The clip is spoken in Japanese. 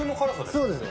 そうですよ。